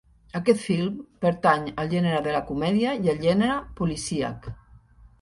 Aquest film pertany al gènere de la comèdia i al gènere policíac.